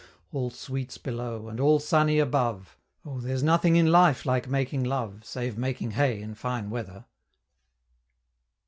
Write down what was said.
All sweets below, and all sunny above, Oh! there's nothing in life like making love, Save making hay in fine weather!